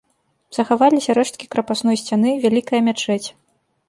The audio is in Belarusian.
Захаваліся рэшткі крапасной сцяны, вялікая мячэць.